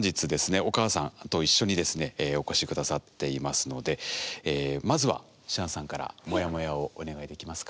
お母さんと一緒にですねお越し下さっていますのでまずはシアンさんからモヤモヤをお願いできますか。